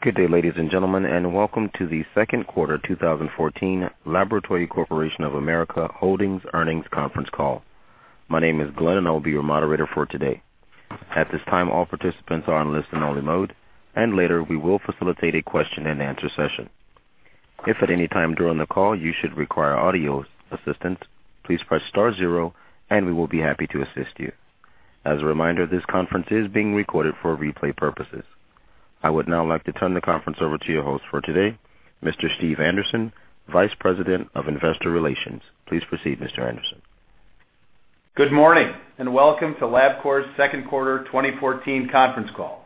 Good day, ladies and gentlemen, and welcome to the second quarter 2014 Laboratory Corporation of America Holdings Earnings Conference Call. My name is Glenn, and I'll be your moderator for today. At this time, all participants are on listen-only mode, and later we will facilitate a question-and-answer session. If at any time during the call you should require audio assistance, please press star zero, and we will be happy to assist you. As a reminder, this conference is being recorded for replay purposes. I would now like to turn the conference over to your host for today, Mr. Steve Anderson, Vice President of Investor Relations. Please proceed, Mr. Anderson. Good morning, and welcome to Labcorp's second quarter 2014 conference call.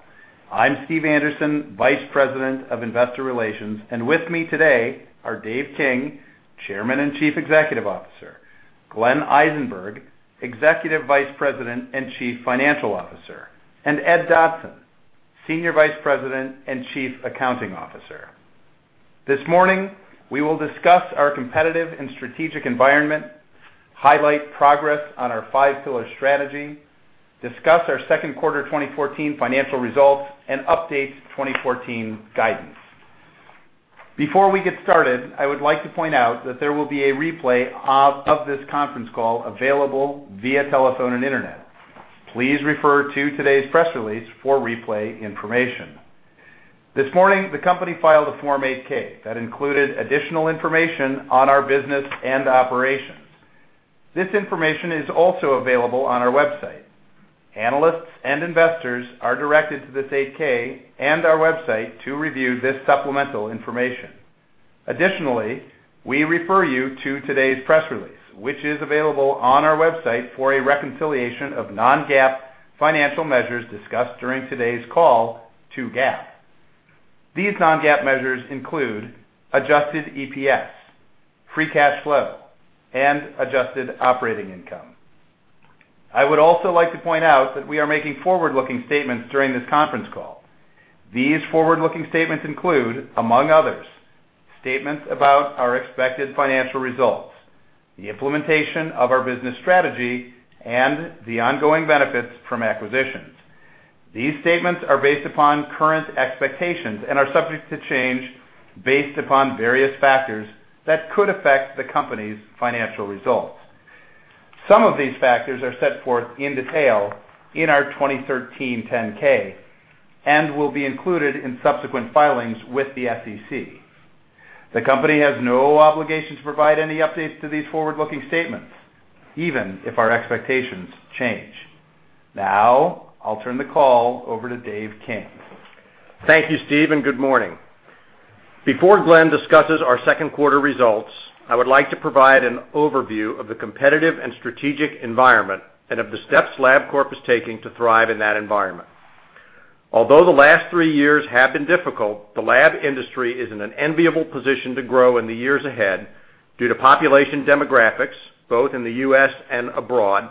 I'm Steve Anderson, Vice President of Investor Relations, and with me today are Dave King, Chairman and Chief Executive Officer, Glenn Eisenberg, Executive Vice President and Chief Financial Officer, and Ed Dotson, Senior Vice President and Chief Accounting Officer. This morning, we will discuss our competitive and strategic environment, highlight progress on our five-pillar strategy, discuss our second quarter 2014 financial results, and update 2014 guidance. Before we get started, I would like to point out that there will be a replay of this conference call available via telephone and internet. Please refer to today's press release for replay information. This morning, the company filed a Form 8K that included additional information on our business and operations. This information is also available on our website. Analysts and investors are directed to this 8K and our website to review this supplemental information. Additionally, we refer you to today's press release, which is available on our website for a reconciliation of non-GAAP financial measures discussed during today's call to GAAP. These non-GAAP measures include adjusted EPS, free cash flow, and adjusted operating income. I would also like to point out that we are making forward-looking statements during this conference call. These forward-looking statements include, among others, statements about our expected financial results, the implementation of our business strategy, and the ongoing benefits from acquisitions. These statements are based upon current expectations and are subject to change based upon various factors that could affect the company's financial results. Some of these factors are set forth in detail in our 2013 10K and will be included in subsequent filings with the SEC. The company has no obligation to provide any updates to these forward-looking statements, even if our expectations change. Now, I'll turn the call over to Dave King. Thank you, Steve, and good morning. Before Glenn discusses our second quarter results, I would like to provide an overview of the competitive and strategic environment and of the steps Labcorp is taking to thrive in that environment. Although the last three years have been difficult, the lab industry is in an enviable position to grow in the years ahead due to population demographics, both in the U.S. and abroad,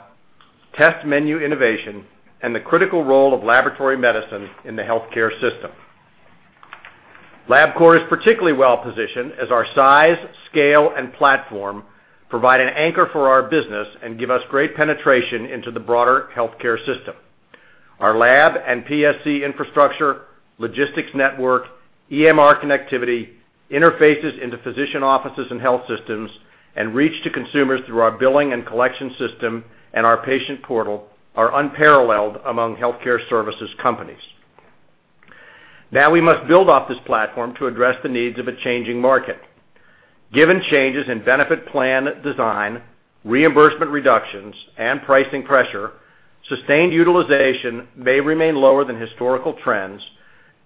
test menu innovation, and the critical role of laboratory medicine in the healthcare system. Labcorp is particularly well positioned as our size, scale, and platform provide an anchor for our business and give us great penetration into the broader healthcare system. Our lab and PSC infrastructure, logistics network, EMR connectivity, interfaces into physician offices and health systems, and reach to consumers through our billing and collection system and our patient portal are unparalleled among healthcare services companies. Now, we must build off this platform to address the needs of a changing market. Given changes in benefit plan design, reimbursement reductions, and pricing pressure, sustained utilization may remain lower than historical trends,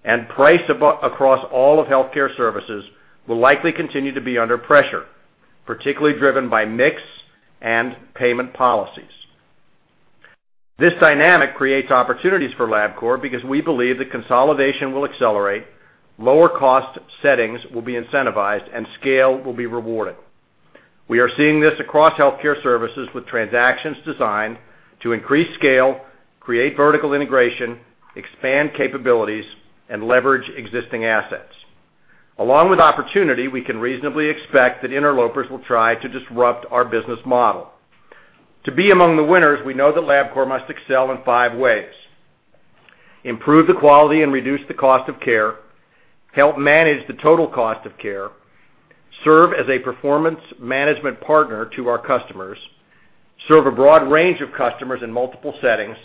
and price across all of healthcare services will likely continue to be under pressure, particularly driven by mix and payment policies. This dynamic creates opportunities for Labcorp because we believe that consolidation will accelerate, lower cost settings will be incentivized, and scale will be rewarded. We are seeing this across healthcare services with transactions designed to increase scale, create vertical integration, expand capabilities, and leverage existing assets. Along with opportunity, we can reasonably expect that interlopers will try to disrupt our business model. To be among the winners, we know that Labcorp must excel in five ways: improve the quality and reduce the cost of care, help manage the total cost of care, serve as a performance management partner to our customers, serve a broad range of customers in multiple settings,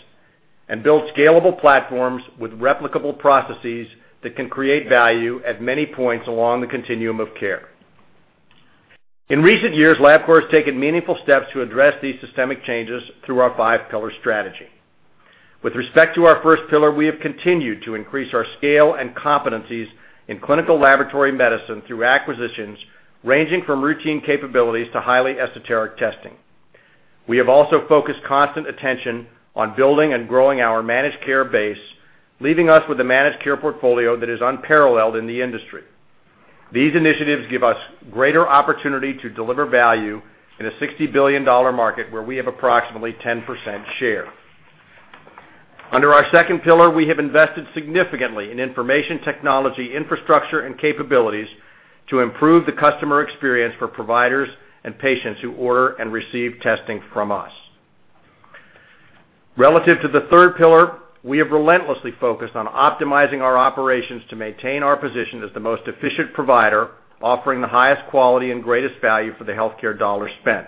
and build scalable platforms with replicable processes that can create value at many points along the continuum of care. In recent years, Labcorp has taken meaningful steps to address these systemic changes through our five-pillar strategy. With respect to our first pillar, we have continued to increase our scale and competencies in clinical laboratory medicine through acquisitions ranging from routine capabilities to highly esoteric testing. We have also focused constant attention on building and growing our managed care base, leaving us with a managed care portfolio that is unparalleled in the industry. These initiatives give us greater opportunity to deliver value in a $60 billion market where we have approximately 10% share. Under our second pillar, we have invested significantly in information technology infrastructure and capabilities to improve the customer experience for providers and patients who order and receive testing from us. Relative to the third pillar, we have relentlessly focused on optimizing our operations to maintain our position as the most efficient provider, offering the highest quality and greatest value for the healthcare dollar spent.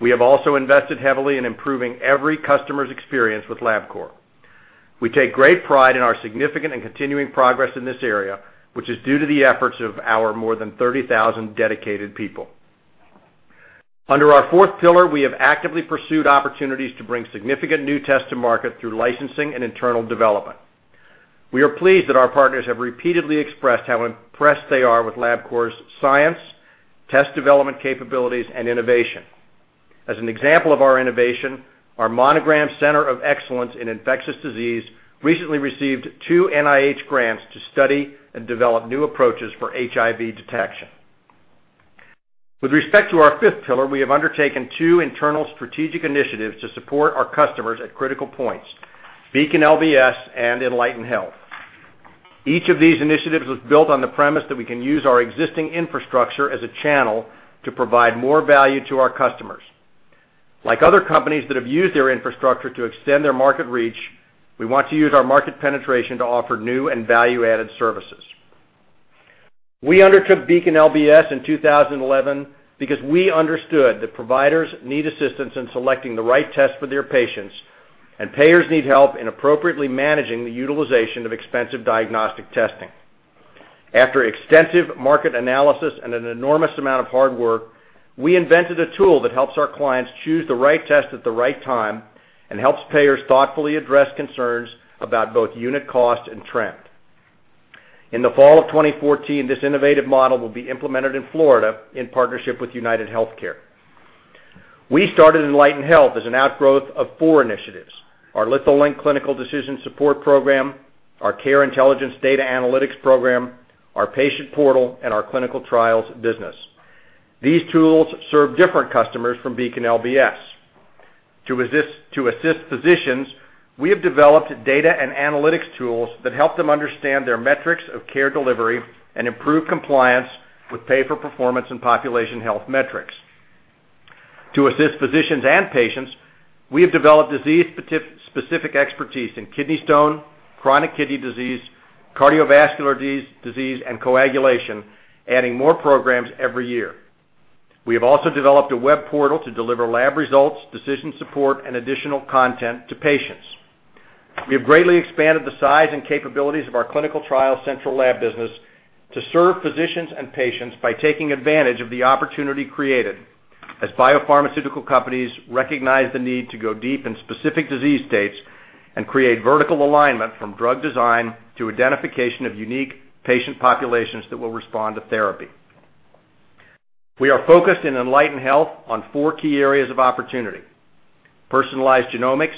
We have also invested heavily in improving every customer's experience with Labcorp. We take great pride in our significant and continuing progress in this area, which is due to the efforts of our more than 30,000 dedicated people. Under our fourth pillar, we have actively pursued opportunities to bring significant new tests to market through licensing and internal development. We are pleased that our partners have repeatedly expressed how impressed they are with Labcorp's science, test development capabilities, and innovation. As an example of our innovation, our Monogram Center of Excellence in Infectious Disease recently received two NIH grants to study and develop new approaches for HIV detection. With respect to our fifth pillar, we have undertaken two internal strategic initiatives to support our customers at critical points: Beacon LBS and Enlighten Health. Each of these initiatives was built on the premise that we can use our existing infrastructure as a channel to provide more value to our customers. Like other companies that have used their infrastructure to extend their market reach, we want to use our market penetration to offer new and value-added services. We undertook Beacon LBS in 2011 because we understood that providers need assistance in selecting the right test for their patients, and payers need help in appropriately managing the utilization of expensive diagnostic testing. After extensive market analysis and an enormous amount of hard work, we invented a tool that helps our clients choose the right test at the right time and helps payers thoughtfully address concerns about both unit cost and trend. In the fall of 2014, this innovative model will be implemented in Florida in partnership with UnitedHealthcare. We started Enlighten Health as an outgrowth of four initiatives: our Litholink Clinical Decision Support Program, our Care Intelligence Data Analytics Program, our Patient Portal, and our Clinical Trials business. These tools serve different customers from Beacon LBS. To assist physicians, we have developed data and analytics tools that help them understand their metrics of care delivery and improve compliance with pay-for-performance and population health metrics. To assist physicians and patients, we have developed disease-specific expertise in kidney stone, chronic kidney disease, cardiovascular disease, and coagulation, adding more programs every year. We have also developed a web portal to deliver lab results, decision support, and additional content to patients. We have greatly expanded the size and capabilities of our Clinical Trials Central Lab business to serve physicians and patients by taking advantage of the opportunity created as biopharmaceutical companies recognize the need to go deep in specific disease states and create vertical alignment from drug design to identification of unique patient populations that will respond to therapy. We are focused in Enlighten Health on four key areas of opportunity: personalized genomics,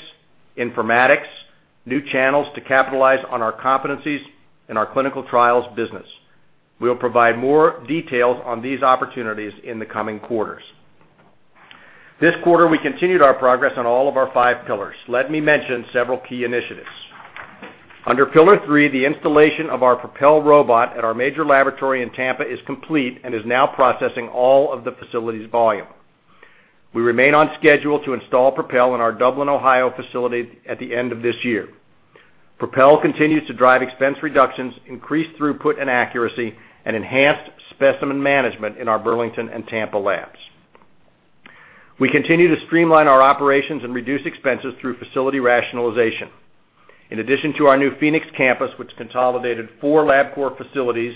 informatics, and new channels to capitalize on our competencies in our Clinical Trials business. We will provide more details on these opportunities in the coming quarters. This quarter, we continued our progress on all of our five pillars. Let me mention several key initiatives. Under pillar three, the installation of our Propel robot at our major laboratory in Tampa is complete and is now processing all of the facility's volume. We remain on schedule to install Propel in our Dublin, Ohio facility at the end of this year. Propel continues to drive expense reductions, increased throughput and accuracy, and enhanced specimen management in our Burlington and Tampa labs. We continue to streamline our operations and reduce expenses through facility rationalization. In addition to our new Phoenix campus, which consolidated four Labcorp facilities,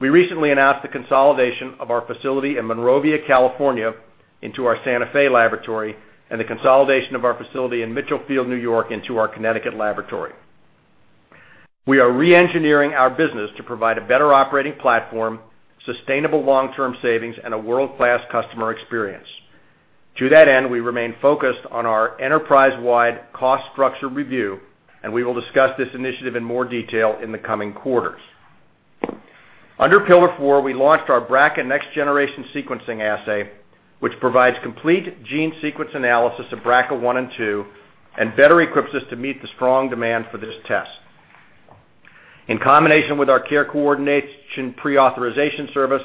we recently announced the consolidation of our facility in Monrovia, California, into our Santa Fe laboratory, and the consolidation of our facility in Mitchellfield, New York, into our Connecticut laboratory. We are re-engineering our business to provide a better operating platform, sustainable long-term savings, and a world-class customer experience. To that end, we remain focused on our enterprise-wide cost structure review, and we will discuss this initiative in more detail in the coming quarters. Under pillar four, we launched our BRCA next-generation sequencing assay, which provides complete gene sequence analysis of BRCA1 and 2 and better equips us to meet the strong demand for this test. In combination with our care coordination pre-authorization service,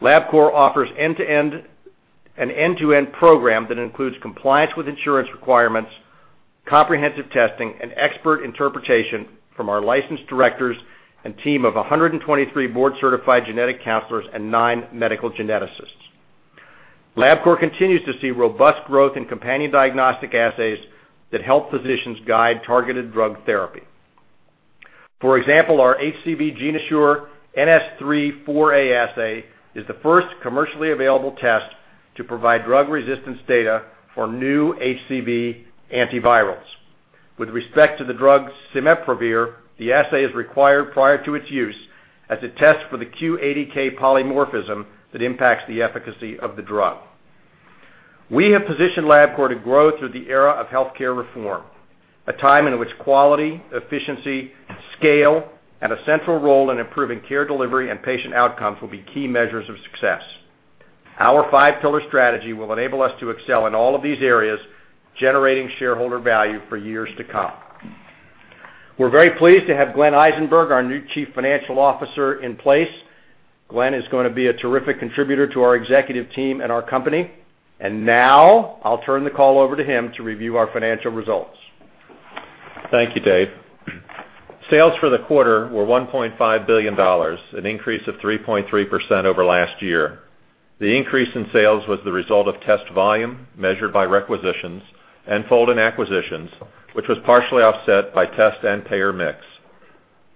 Labcorp offers an end-to-end program that includes compliance with insurance requirements, comprehensive testing, and expert interpretation from our licensed directors and team of 123 board-certified genetic counselors and nine medical geneticists. Labcorp continues to see robust growth in companion diagnostic assays that help physicians guide targeted drug therapy. For example, our HCV GeneAssure NS3 4A assay is the first commercially available test to provide drug-resistance data for new HCV antivirals. With respect to the drug Cimeprevir, the assay is required prior to its use as it tests for the Q80K polymorphism that impacts the efficacy of the drug. We have positioned Labcorp to grow through the era of healthcare reform, a time in which quality, efficiency, scale, and a central role in improving care delivery and patient outcomes will be key measures of success. Our five-pillar strategy will enable us to excel in all of these areas, generating shareholder value for years to come. We are very pleased to have Glenn Eisenberg, our new Chief Financial Officer, in place. Glenn is going to be a terrific contributor to our executive team and our company. Now, I will turn the call over to him to review our financial results. Thank you, Dave. Sales for the quarter were $1.5 billion, an increase of 3.3% over last year. The increase in sales was the result of test volume measured by requisitions and fold-in acquisitions, which was partially offset by test and payer mix.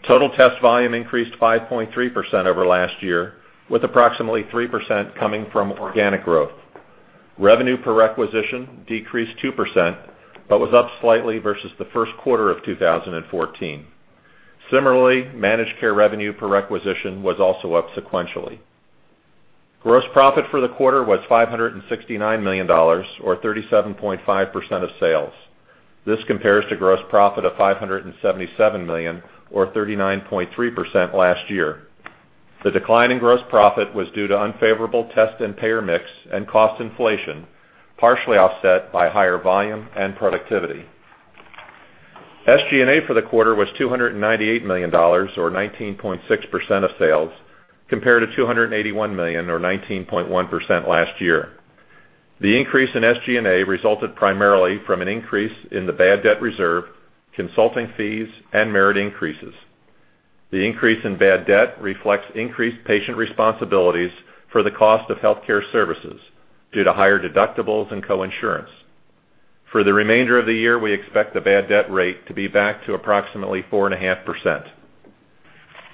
Total test volume increased 5.3% over last year, with approximately 3% coming from organic growth. Revenue per requisition decreased 2% but was up slightly versus the first quarter of 2014. Similarly, managed care revenue per requisition was also up sequentially. Gross profit for the quarter was $569 million, or 37.5% of sales. This compares to gross profit of $577 million, or 39.3% last year. The decline in gross profit was due to unfavorable test and payer mix and cost inflation, partially offset by higher volume and productivity. SG&A for the quarter was $298 million, or 19.6% of sales, compared to $281 million, or 19.1% last year. The increase in SG&A resulted primarily from an increase in the bad debt reserve, consulting fees, and merit increases. The increase in bad debt reflects increased patient responsibilities for the cost of healthcare services due to higher deductibles and coinsurance. For the remainder of the year, we expect the bad debt rate to be back to approximately 4.5%.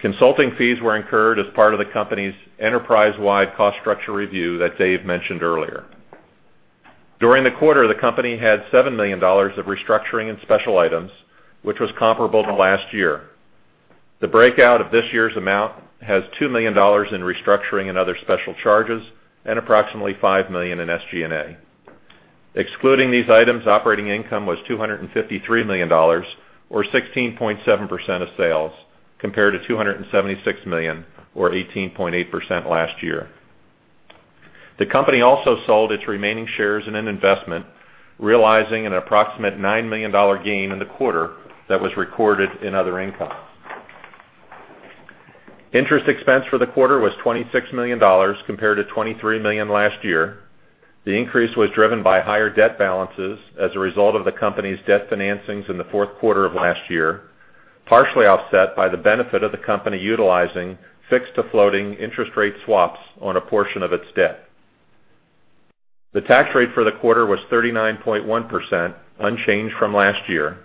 Consulting fees were incurred as part of the company's enterprise-wide cost structure review that Dave mentioned earlier. During the quarter, the company had $7 million of restructuring and special items, which was comparable to last year. The breakout of this year's amount has $2 million in restructuring and other special charges and approximately $5 million in SG&A. Excluding these items, operating income was $253 million, or 16.7% of sales, compared to $276 million, or 18.8% last year. The company also sold its remaining shares in an investment, realizing an approximate $9 million gain in the quarter that was recorded in other income. Interest expense for the quarter was $26 million, compared to $23 million last year. The increase was driven by higher debt balances as a result of the company's debt financings in the fourth quarter of last year, partially offset by the benefit of the company utilizing fixed to floating interest rate swaps on a portion of its debt. The tax rate for the quarter was 39.1%, unchanged from last year.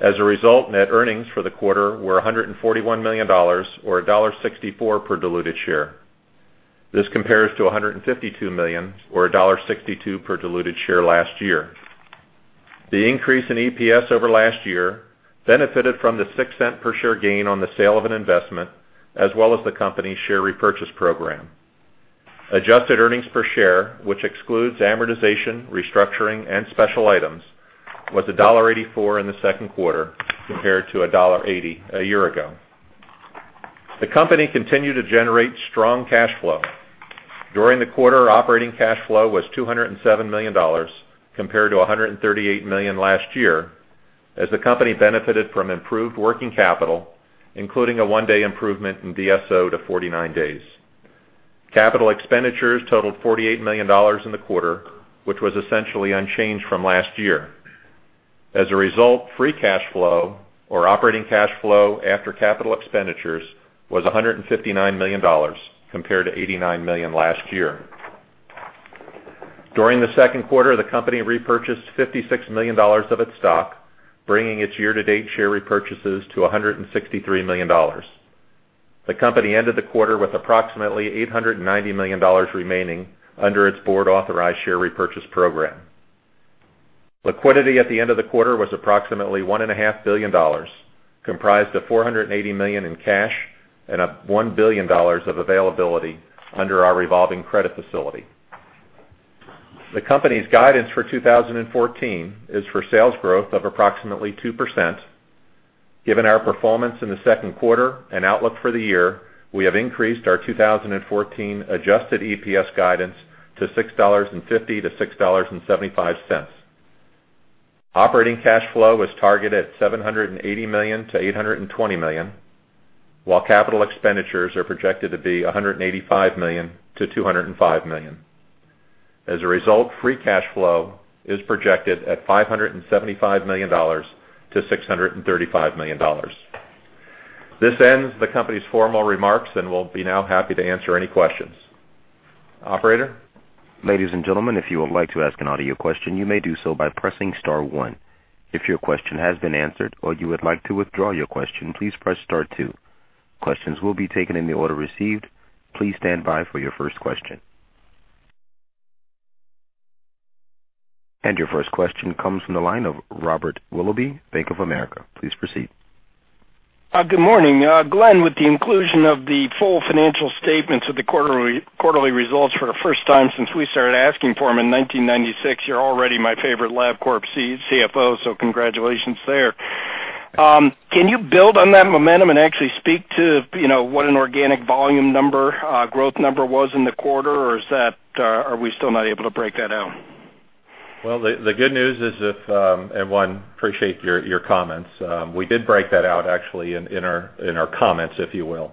As a result, net earnings for the quarter were $141 million, or $1.64 per diluted share. This compares to $152 million, or $1.62 per diluted share last year. The increase in EPS over last year benefited from the 6 cent per share gain on the sale of an investment, as well as the company's share repurchase program. Adjusted earnings per share, which excludes amortization, restructuring, and special items, was $1.84 in the second quarter, compared to $1.80 a year ago. The company continued to generate strong cash flow. During the quarter, operating cash flow was $207 million, compared to $138 million last year, as the company benefited from improved working capital, including a one-day improvement in DSO to 49 days. Capital expenditures totaled $48 million in the quarter, which was essentially unchanged from last year. As a result, free cash flow, or operating cash flow after capital expenditures, was $159 million, compared to $89 million last year. During the second quarter, the company repurchased $56 million of its stock, bringing its year-to-date share repurchases to $163 million. The company ended the quarter with approximately $890 million remaining under its board-authorized share repurchase program. Liquidity at the end of the quarter was approximately $1.5 billion, comprised of $480 million in cash and $1 billion of availability under our revolving credit facility. The company's guidance for 2014 is for sales growth of approximately 2%. Given our performance in the second quarter and outlook for the year, we have increased our 2014 adjusted EPS guidance to $6.50-$6.75. Operating cash flow was targeted at $780 million-$820 million, while capital expenditures are projected to be $185 million-$205 million. As a result, free cash flow is projected at $575 million-$635 million. This ends the company's formal remarks and we'll be now happy to answer any questions. Operator? Ladies and gentlemen, if you would like to ask an audio question, you may do so by pressing Star 1. If your question has been answered or you would like to withdraw your question, please press Star 2. Questions will be taken in the order received. Please stand by for your first question. Your first question comes from the line of Robert Willoughby, Bank of America. Please proceed. Good morning. Glenn, with the inclusion of the full financial statements of the quarterly results for the first time since we started asking for them in 1996, you're already my favorite Labcorp CFO, so congratulations there. Can you build on that momentum and actually speak to what an organic volume number, growth number was in the quarter, or are we still not able to break that out? The good news is, and one, I appreciate your comments. We did break that out, actually, in our comments, if you will.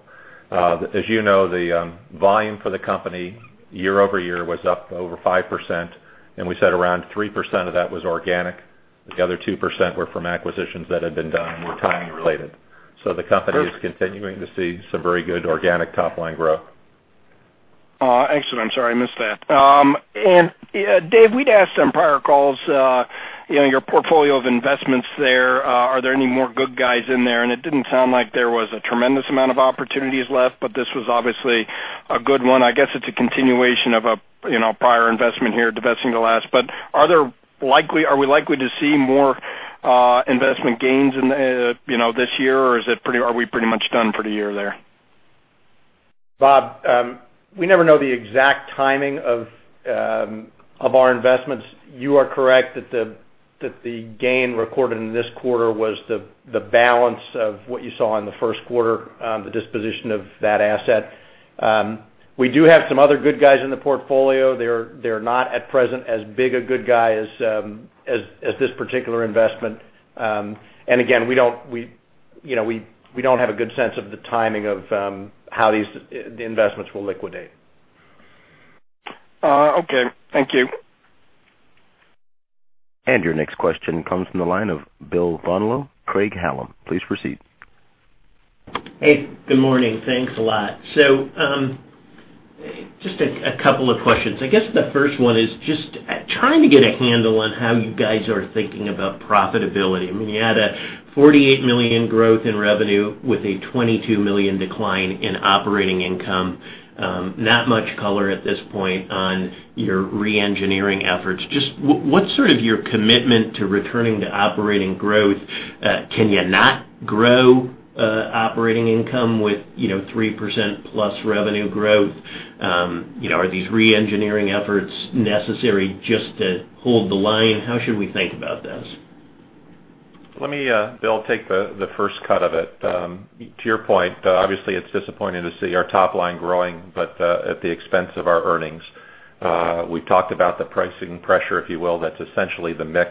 As you know, the volume for the company year over year was up over 5%, and we said around 3% of that was organic. The other 2% were from acquisitions that had been done and were timing-related. The company is continuing to see some very good organic top-line growth. Excellent. I'm sorry I missed that. Dave, we'd asked on prior calls, your portfolio of investments there, are there any more good guys in there? It didn't sound like there was a tremendous amount of opportunities left, but this was obviously a good one. I guess it's a continuation of a prior investment here, divesting the last. Are we likely to see more investment gains this year, or are we pretty much done for the year there? Bob, we never know the exact timing of our investments. You are correct that the gain recorded in this quarter was the balance of what you saw in the first quarter, the disposition of that asset. We do have some other good guys in the portfolio. They're not, at present, as big a good guy as this particular investment. Again, we do not have a good sense of the timing of how these investments will liquidate. Okay. Thank you. Your next question comes from the line of Bill Vonlow, Craig Hallam. Please proceed. Hey. Good morning. Thanks a lot. Just a couple of questions. I guess the first one is just trying to get a handle on how you guys are thinking about profitability. I mean, you had a $48 million growth in revenue with a $22 million decline in operating income. Not much color at this point on your re-engineering efforts. Just what's sort of your commitment to returning to operating growth? Can you not grow operating income with 3% plus revenue growth? Are these re-engineering efforts necessary just to hold the line? How should we think about those? Let me, Bill, take the first cut of it. To your point, obviously, it's disappointing to see our top line growing, but at the expense of our earnings. We've talked about the pricing pressure, if you will, that's essentially the mix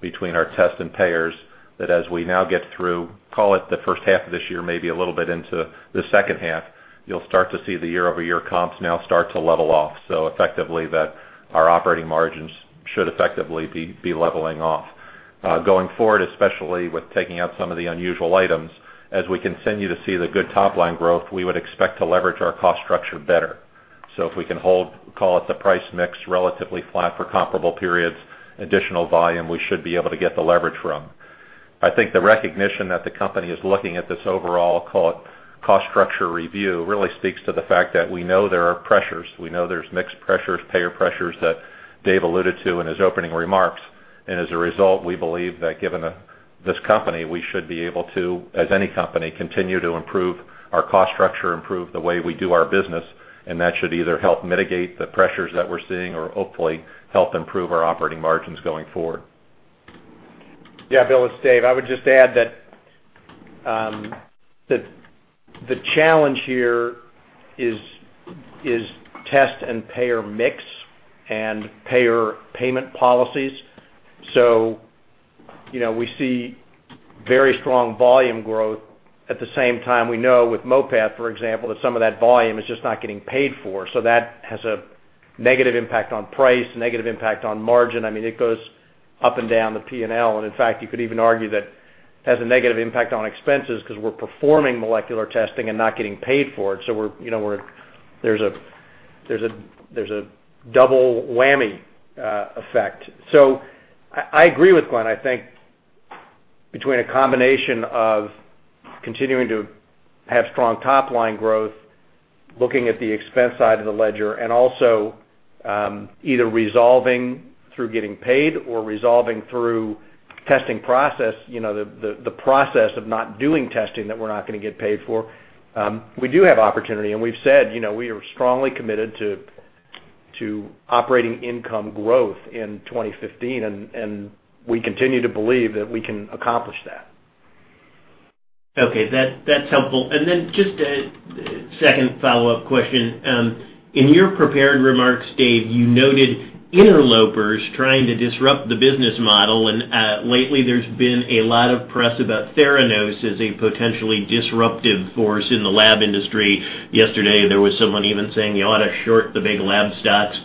between our test and payers that as we now get through, call it the first half of this year, maybe a little bit into the second half, you'll start to see the year-over-year comps now start to level off. Effectively, our operating margins should effectively be leveling off. Going forward, especially with taking out some of the unusual items, as we continue to see the good top-line growth, we would expect to leverage our cost structure better. If we can hold, call it the price mix, relatively flat for comparable periods, additional volume, we should be able to get the leverage from. I think the recognition that the company is looking at this overall, call it cost structure review, really speaks to the fact that we know there are pressures. We know there are mixed pressures, payer pressures that Dave alluded to in his opening remarks. As a result, we believe that given this company, we should be able to, as any company, continue to improve our cost structure, improve the way we do our business, and that should either help mitigate the pressures that we are seeing or hopefully help improve our operating margins going forward. Yeah, Bill. It's Dave. I would just add that the challenge here is test and payer mix and payer payment policies. We see very strong volume growth. At the same time, we know with MOPAT, for example, that some of that volume is just not getting paid for. That has a negative impact on price, a negative impact on margin. I mean, it goes up and down the P&L. In fact, you could even argue that it has a negative impact on expenses because we're performing molecular testing and not getting paid for it. There's a double whammy effect. I agree with Glenn. I think between a combination of continuing to have strong top-line growth, looking at the expense side of the ledger, and also either resolving through getting paid or resolving through testing process, the process of not doing testing that we're not going to get paid for, we do have opportunity. We have said we are strongly committed to operating income growth in 2015, and we continue to believe that we can accomplish that. Okay. That's helpful. Then just a second follow-up question. In your prepared remarks, Dave, you noted interlopers trying to disrupt the business model. Lately, there's been a lot of press about Theranos as a potentially disruptive force in the lab industry. Yesterday, there was someone even saying you ought to short the big lab stocks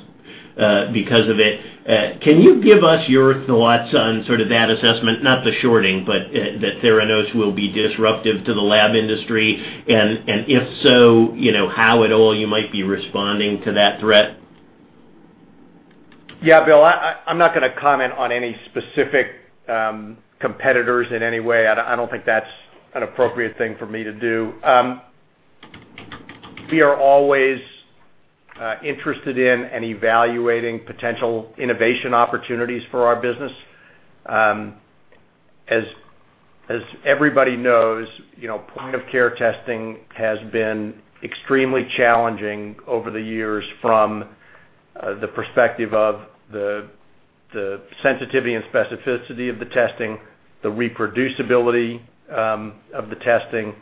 because of it. Can you give us your thoughts on sort of that assessment, not the shorting, but that Theranos will be disruptive to the lab industry? If so, how at all you might be responding to that threat? Yeah, Bill. I'm not going to comment on any specific competitors in any way. I don't think that's an appropriate thing for me to do. We are always interested in and evaluating potential innovation opportunities for our business. As everybody knows, point-of-care testing has been extremely challenging over the years from the perspective of the sensitivity and specificity of the testing, the reproducibility of the testing,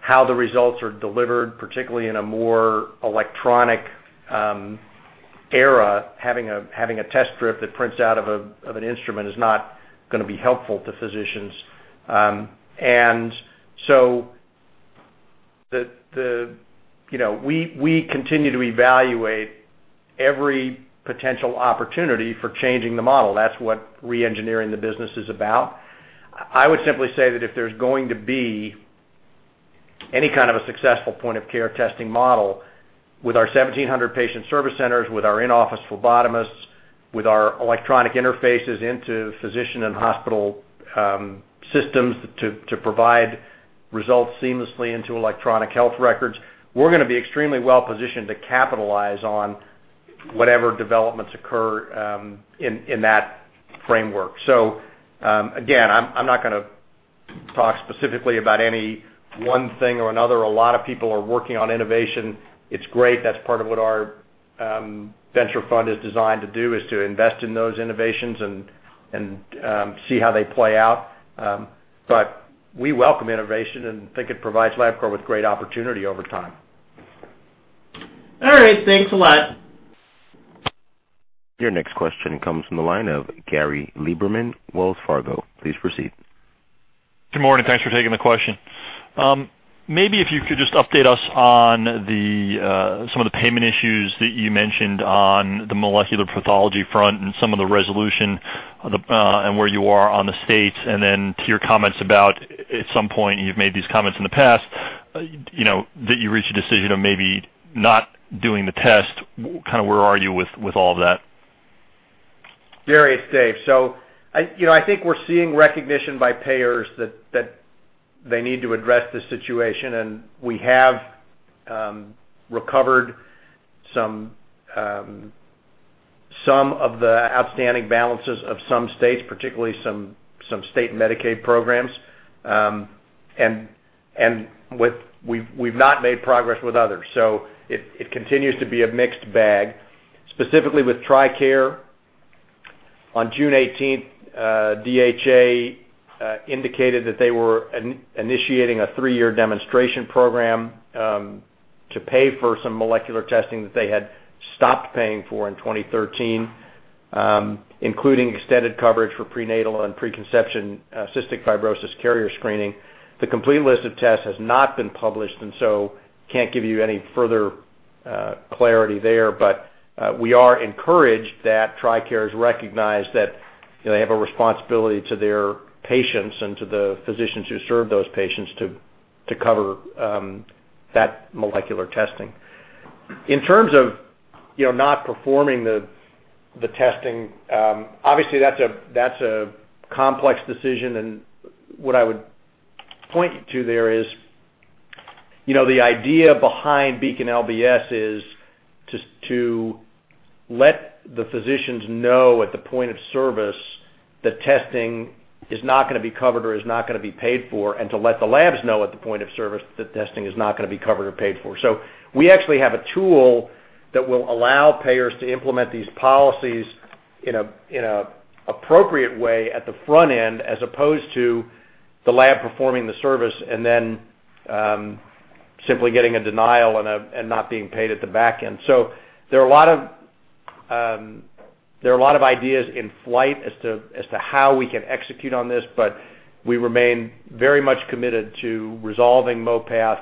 how the results are delivered, particularly in a more electronic era. Having a test strip that prints out of an instrument is not going to be helpful to physicians. We continue to evaluate every potential opportunity for changing the model. That's what re-engineering the business is about. I would simply say that if there's going to be any kind of a successful point-of-care testing model with our 1,700 patient service centers, with our in-office phlebotomists, with our electronic interfaces into physician and hospital systems to provide results seamlessly into electronic health records, we're going to be extremely well-positioned to capitalize on whatever developments occur in that framework. Again, I'm not going to talk specifically about any one thing or another. A lot of people are working on innovation. It's great. That's part of what our venture fund is designed to do, is to invest in those innovations and see how they play out. We welcome innovation and think it provides Labcorp with great opportunity over time. All right. Thanks a lot. Your next question comes from the line of Gary Lieberman, Wells Fargo. Please proceed. Good morning. Thanks for taking the question. Maybe if you could just update us on some of the payment issues that you mentioned on the molecular pathology front and some of the resolution and where you are on the states. To your comments about at some point, you've made these comments in the past, that you reached a decision of maybe not doing the test. Kind of where are you with all of that? Very, it's Dave. I think we're seeing recognition by payers that they need to address the situation. We have recovered some of the outstanding balances of some states, particularly some state Medicaid programs. We've not made progress with others. It continues to be a mixed bag. Specifically with Tricare, on June 18, DHA indicated that they were initiating a three-year demonstration program to pay for some molecular testing that they had stopped paying for in 2013, including extended coverage for prenatal and preconception cystic fibrosis carrier screening. The complete list of tests has not been published, so I can't give you any further clarity there. We are encouraged that Tricare has recognized that they have a responsibility to their patients and to the physicians who serve those patients to cover that molecular testing. In terms of not performing the testing, obviously, that's a complex decision. What I would point you to there is the idea behind Beacon LBS is to let the physicians know at the point of service that testing is not going to be covered or is not going to be paid for, and to let the labs know at the point of service that testing is not going to be covered or paid for. We actually have a tool that will allow payers to implement these policies in an appropriate way at the front end, as opposed to the lab performing the service and then simply getting a denial and not being paid at the back end. There are a lot of ideas in flight as to how we can execute on this, but we remain very much committed to resolving MOPAT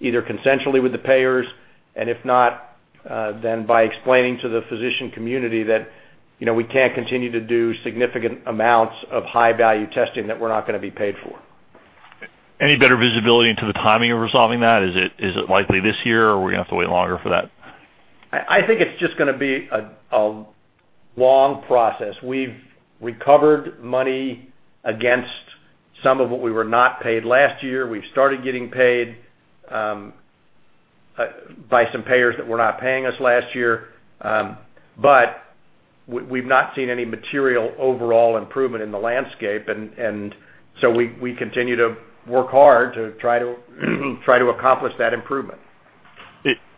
either consensually with the payers, and if not, then by explaining to the physician community that we can't continue to do significant amounts of high-value testing that we're not going to be paid for. Any better visibility into the timing of resolving that? Is it likely this year, or are we going to have to wait longer for that? I think it's just going to be a long process. We've recovered money against some of what we were not paid last year. We've started getting paid by some payers that were not paying us last year. We've not seen any material overall improvement in the landscape. We continue to work hard to try to accomplish that improvement.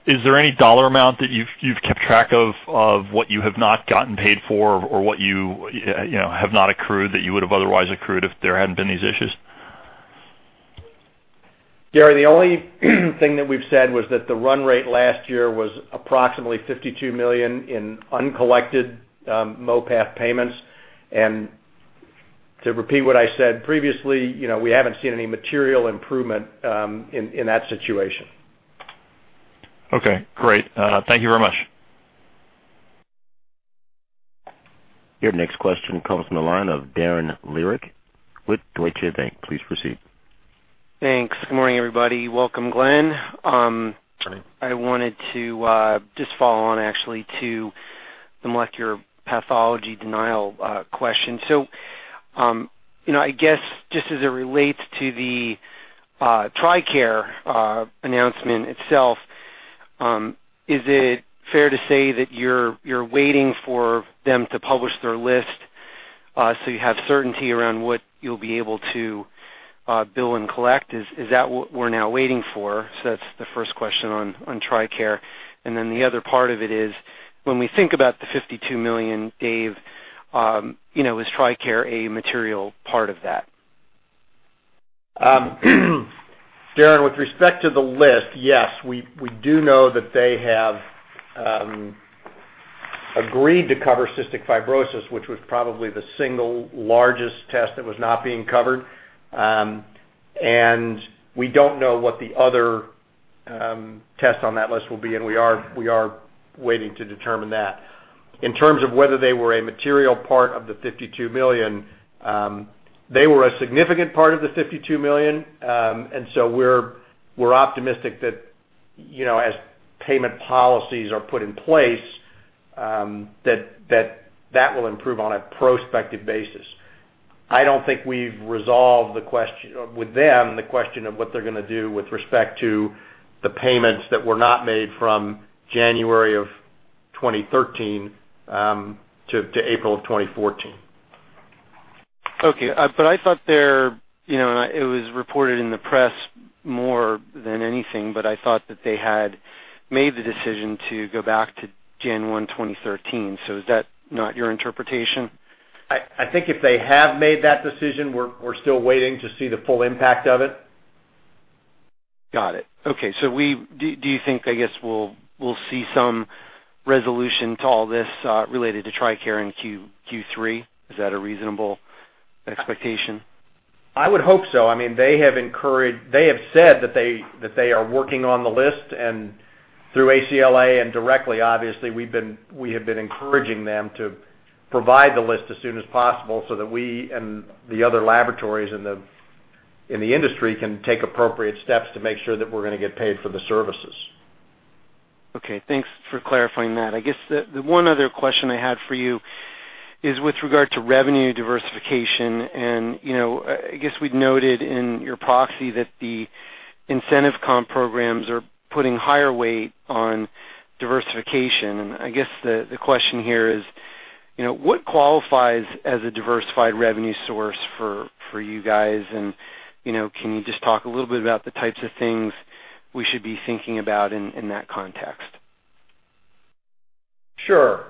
Is there any dollar amount that you've kept track of of what you have not gotten paid for or what you have not accrued that you would have otherwise accrued if there hadn't been these issues? Gary, the only thing that we've said was that the run rate last year was approximately $52 million in uncollected MOPAT payments. To repeat what I said previously, we haven't seen any material improvement in that situation. Okay. Great. Thank you very much. Your next question comes from the line of Darren Lyrick with Deutsche Bank. Please proceed. Thanks. Good morning, everybody. Welcome, Glenn. Morning. I wanted to just follow on, actually, to the molecular pathology denial question. I guess just as it relates to the Tricare announcement itself, is it fair to say that you're waiting for them to publish their list so you have certainty around what you'll be able to bill and collect? Is that what we're now waiting for? That's the first question on Tricare. The other part of it is, when we think about the $52 million, Dave, is Tricare a material part of that? Daren, with respect to the list, yes, we do know that they have agreed to cover cystic fibrosis, which was probably the single largest test that was not being covered. We do not know what the other test on that list will be. We are waiting to determine that. In terms of whether they were a material part of the $52 million, they were a significant part of the $52 million. We are optimistic that as payment policies are put in place, that that will improve on a prospective basis. I do not think we have resolved with them the question of what they are going to do with respect to the payments that were not made from January of 2013 to April of 2014. Okay. I thought there it was reported in the press more than anything, but I thought that they had made the decision to go back to January 2013. Is that not your interpretation? I think if they have made that decision, we're still waiting to see the full impact of it. Got it. Okay. So do you think, I guess, we'll see some resolution to all this related to Tricare and Q3? Is that a reasonable expectation? I would hope so. I mean, they have said that they are working on the list. Through ACLA and directly, obviously, we have been encouraging them to provide the list as soon as possible so that we and the other laboratories in the industry can take appropriate steps to make sure that we're going to get paid for the services. Okay. Thanks for clarifying that. I guess the one other question I had for you is with regard to revenue diversification. I guess we'd noted in your proxy that the incentive comp programs are putting higher weight on diversification. I guess the question here is, what qualifies as a diversified revenue source for you guys? Can you just talk a little bit about the types of things we should be thinking about in that context? Sure.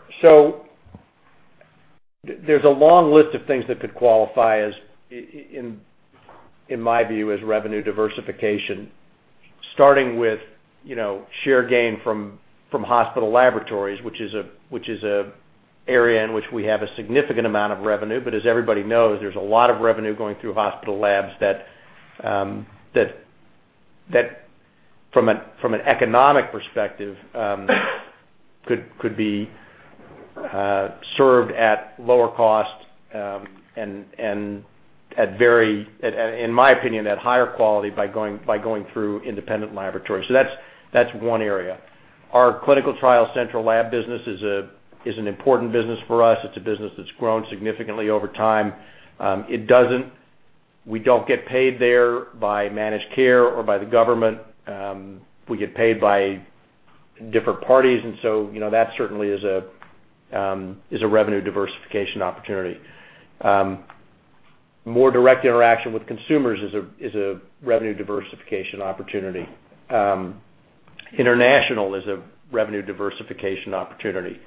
There is a long list of things that could qualify, in my view, as revenue diversification, starting with share gain from hospital laboratories, which is an area in which we have a significant amount of revenue. As everybody knows, there is a lot of revenue going through hospital labs that, from an economic perspective, could be served at lower cost and, in my opinion, at higher quality by going through independent laboratories. That is one area. Our clinical trial central lab business is an important business for us. It is a business that has grown significantly over time. We do not get paid there by managed care or by the government. We get paid by different parties. That certainly is a revenue diversification opportunity. More direct interaction with consumers is a revenue diversification opportunity. International is a revenue diversification opportunity.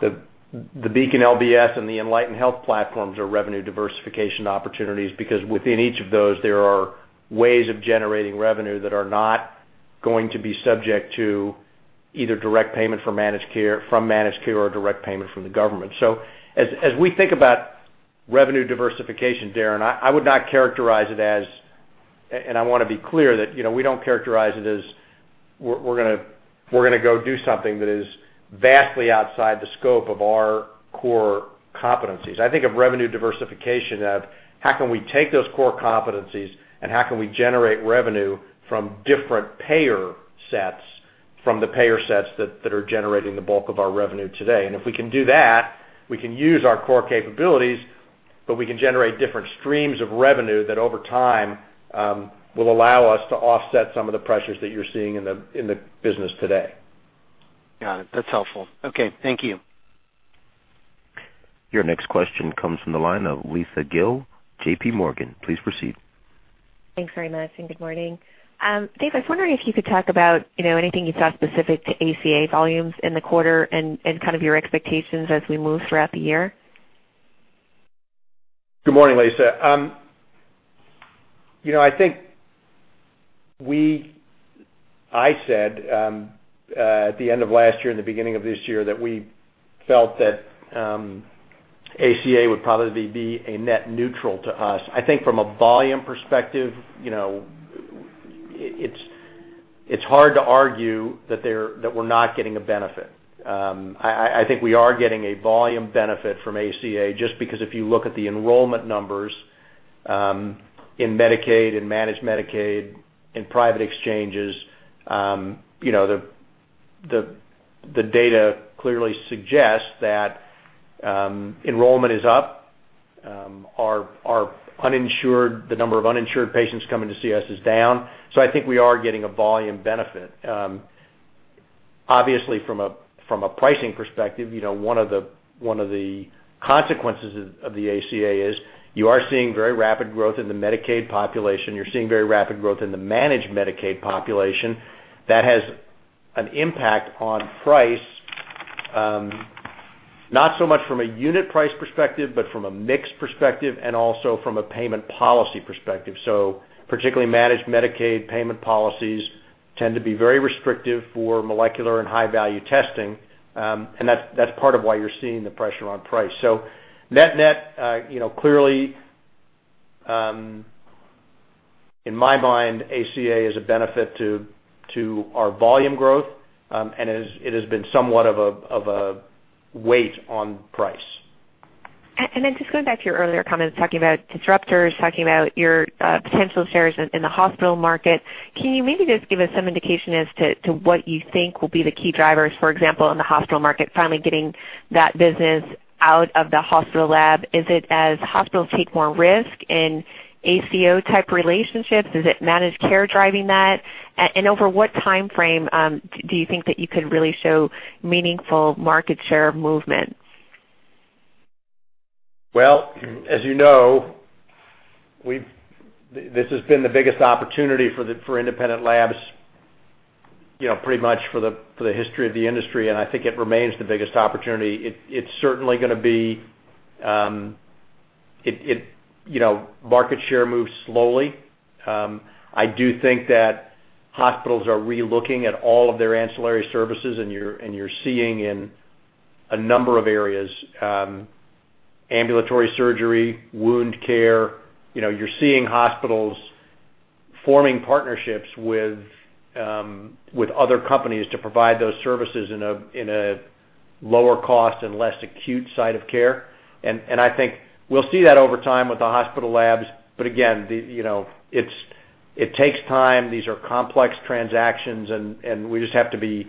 The Beacon LBS and the Enlighten Health platforms are revenue diversification opportunities because within each of those, there are ways of generating revenue that are not going to be subject to either direct payment from managed care or direct payment from the government. As we think about revenue diversification, Daren, I would not characterize it as and I want to be clear that we don't characterize it as we're going to go do something that is vastly outside the scope of our core competencies. I think of revenue diversification as how can we take those core competencies and how can we generate revenue from different payer sets from the payer sets that are generating the bulk of our revenue today. If we can do that, we can use our core capabilities, but we can generate different streams of revenue that over time will allow us to offset some of the pressures that you're seeing in the business today. Got it. That's helpful. Okay. Thank you. Your next question comes from the line of Lisa Gill, JP Morgan. Please proceed. Thanks very much. Good morning. Dave, I was wondering if you could talk about anything you saw specific to ACA volumes in the quarter and kind of your expectations as we move throughout the year. Good morning, Lisa. I think I said at the end of last year and the beginning of this year that we felt that ACA would probably be a net neutral to us. I think from a volume perspective, it's hard to argue that we're not getting a benefit. I think we are getting a volume benefit from ACA just because if you look at the enrollment numbers in Medicaid and managed Medicaid and private exchanges, the data clearly suggests that enrollment is up. The number of uninsured patients coming to see us is down. I think we are getting a volume benefit. Obviously, from a pricing perspective, one of the consequences of the ACA is you are seeing very rapid growth in the Medicaid population. You're seeing very rapid growth in the managed Medicaid population. That has an impact on price, not so much from a unit price perspective, but from a mix perspective and also from a payment policy perspective. Particularly managed Medicaid payment policies tend to be very restrictive for molecular and high-value testing. That's part of why you're seeing the pressure on price. Net-net, clearly, in my mind, ACA is a benefit to our volume growth, and it has been somewhat of a weight on price. Just going back to your earlier comments, talking about disruptors, talking about your potential shares in the hospital market, can you maybe just give us some indication as to what you think will be the key drivers, for example, in the hospital market finally getting that business out of the hospital lab? Is it as hospitals take more risk in ACO-type relationships? Is it managed care driving that? And over what time frame do you think that you could really show meaningful market share movement? As you know, this has been the biggest opportunity for independent labs pretty much for the history of the industry. I think it remains the biggest opportunity. It's certainly going to be market share moves slowly. I do think that hospitals are re-looking at all of their ancillary services. You're seeing in a number of areas, ambulatory surgery, wound care. You're seeing hospitals forming partnerships with other companies to provide those services in a lower cost and less acute side of care. I think we'll see that over time with the hospital labs. Again, it takes time. These are complex transactions, and we just have to be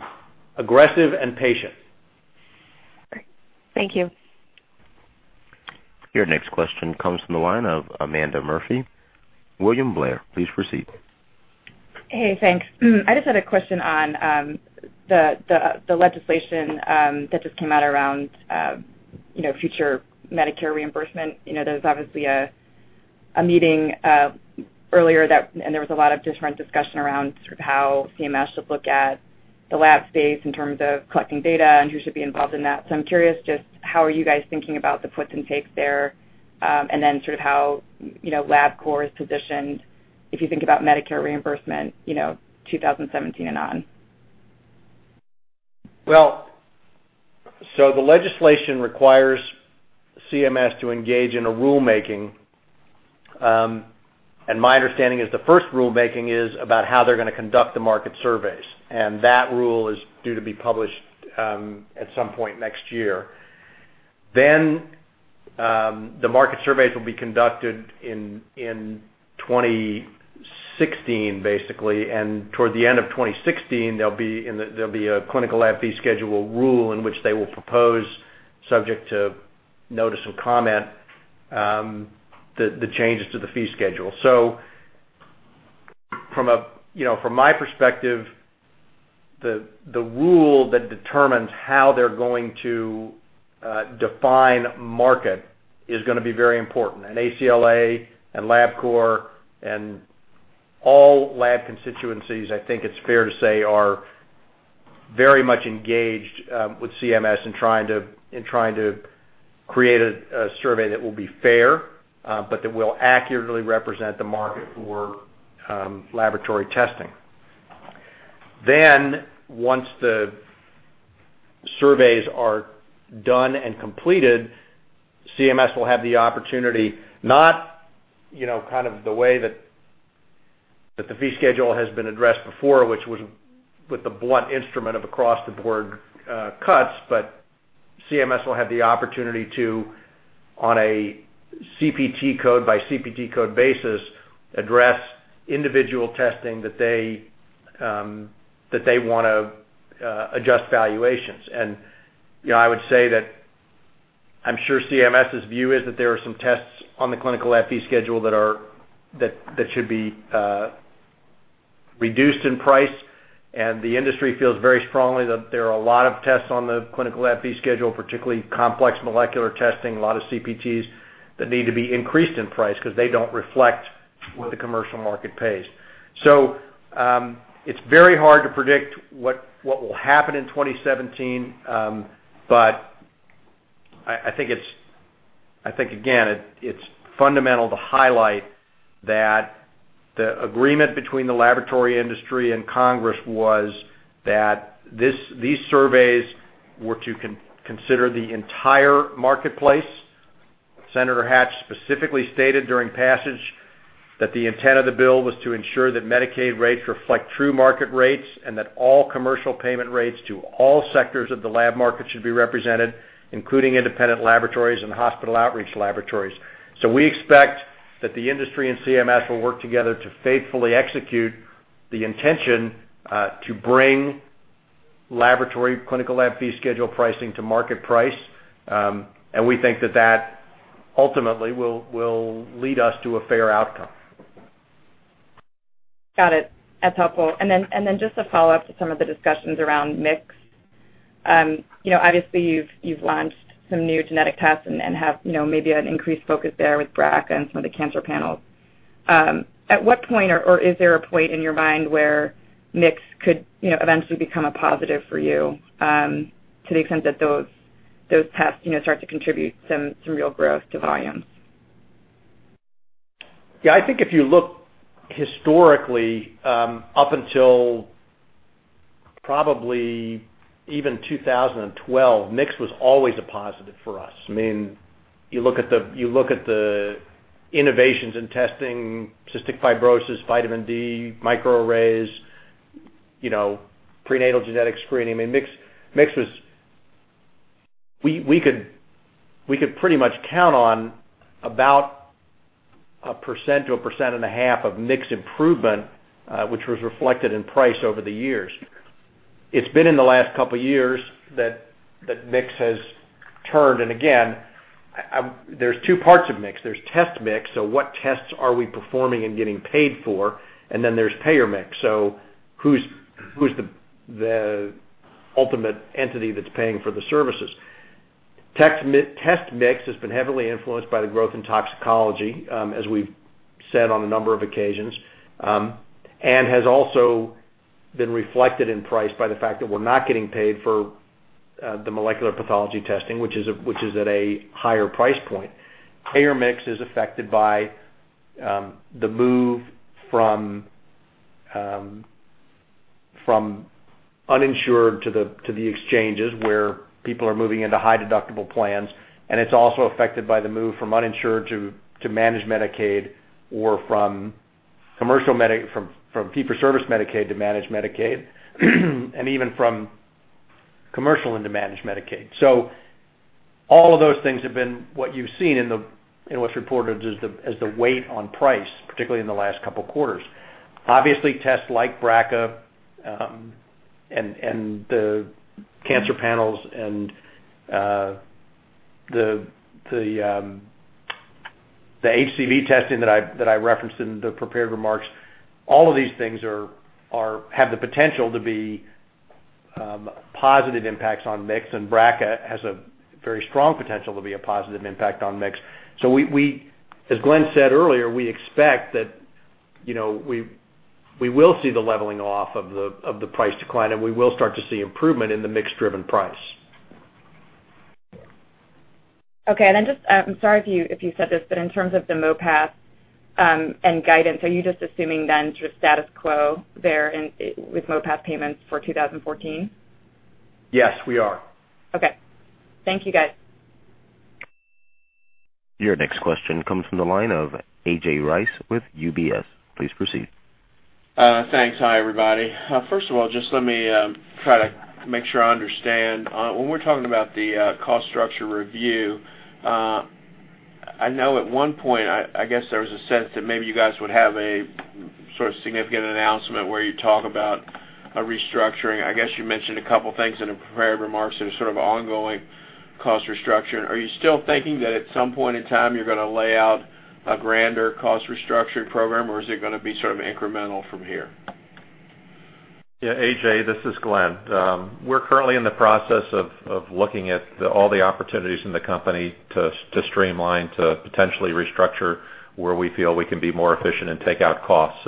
aggressive and patient. Thank you. Your next question comes from the line of Amanda Murphy. William Blair, please proceed. Hey, thanks. I just had a question on the legislation that just came out around future Medicare reimbursement. There was obviously a meeting earlier, and there was a lot of different discussion around how CMS should look at the lab space in terms of collecting data and who should be involved in that. I'm curious just how are you guys thinking about the puts and takes there and then sort of how Labcorp is positioned if you think about Medicare reimbursement 2017 and on? The legislation requires CMS to engage in a rulemaking. My understanding is the first rulemaking is about how they're going to conduct the market surveys. That rule is due to be published at some point next year. The market surveys will be conducted in 2016, basically. Toward the end of 2016, there'll be a clinical lab fee schedule rule in which they will propose, subject to notice and comment, the changes to the fee schedule. From my perspective, the rule that determines how they're going to define market is going to be very important. ACLA and Labcorp and all lab constituencies, I think it's fair to say, are very much engaged with CMS in trying to create a survey that will be fair but that will accurately represent the market for laboratory testing. Once the surveys are done and completed, CMS will have the opportunity, not kind of the way that the fee schedule has been addressed before, which was with the blunt instrument of across-the-board cuts. CMS will have the opportunity to, on a CPT code by CPT code basis, address individual testing that they want to adjust valuations. I would say that I'm sure CMS's view is that there are some tests on the clinical lab fee schedule that should be reduced in price. The industry feels very strongly that there are a lot of tests on the clinical lab fee schedule, particularly complex molecular testing, a lot of CPTs that need to be increased in price because they don't reflect what the commercial market pays. It is very hard to predict what will happen in 2017, but I think, again, it is fundamental to highlight that the agreement between the laboratory industry and Congress was that these surveys were to consider the entire marketplace. Senator Hatch specifically stated during passage that the intent of the bill was to ensure that Medicaid rates reflect true market rates and that all commercial payment rates to all sectors of the lab market should be represented, including independent laboratories and hospital outreach laboratories. We expect that the industry and CMS will work together to faithfully execute the intention to bring laboratory clinical lab fee schedule pricing to market price. We think that that ultimately will lead us to a fair outcome. Got it. That's helpful. And then just a follow-up to some of the discussions around MICS. Obviously, you've launched some new genetic tests and have maybe an increased focus there with BRCA and some of the cancer panels. At what point, or is there a point in your mind where MICS could eventually become a positive for you to the extent that those tests start to contribute some real growth to volumes? Yeah. I think if you look historically up until probably even 2012, MICS was always a positive for us. I mean, you look at the innovations in testing, cystic fibrosis, vitamin D, microarrays, prenatal genetic screening. I mean, MICS was we could pretty much count on about 1% to 1.5% of MICS improvement, which was reflected in price over the years. It's been in the last couple of years that MICS has turned. Again, there's two parts of MICS. There's test MICS. What tests are we performing and getting paid for? Then there's payer MICS. Who's the ultimate entity that's paying for the services? Test MICS has been heavily influenced by the growth in toxicology, as we've said on a number of occasions, and has also been reflected in price by the fact that we're not getting paid for the molecular pathology testing, which is at a higher price point. Payer MICS is affected by the move from uninsured to the exchanges where people are moving into high-deductible plans. It is also affected by the move from uninsured to managed Medicaid or from fee-for-service Medicaid to managed Medicaid and even from commercial into managed Medicaid. All of those things have been what you've seen in what's reported as the weight on price, particularly in the last couple of quarters. Obviously, tests like BRCA and the cancer panels and the HCV testing that I referenced in the prepared remarks, all of these things have the potential to be positive impacts on MICS, and BRCA has a very strong potential to be a positive impact on MICS. As Glenn said earlier, we expect that we will see the leveling off of the price decline, and we will start to see improvement in the MICS-driven price. Okay. I'm sorry if you said this, but in terms of the MOPAT and guidance, are you just assuming then sort of status quo there with MOPAT payments for 2014? Yes, we are. Okay. Thank you, guys. Your next question comes from the line of AJ Rice with UBS. Please proceed. Thanks. Hi, everybody. First of all, just let me try to make sure I understand. When we're talking about the cost structure review, I know at one point, I guess there was a sense that maybe you guys would have a sort of significant announcement where you talk about a restructuring. I guess you mentioned a couple of things in the prepared remarks that are sort of ongoing cost restructuring. Are you still thinking that at some point in time, you're going to lay out a grander cost restructuring program, or is it going to be sort of incremental from here? Yeah, AJ, this is Glenn. We're currently in the process of looking at all the opportunities in the company to streamline to potentially restructure where we feel we can be more efficient and take out costs.